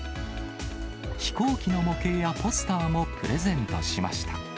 飛行機の模型やポスターもプレゼントしました。